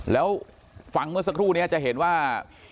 แล้วฟังเมื่อสักครู่นี้จะเห็นว่า